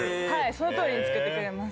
そのとおりに作ってくれます。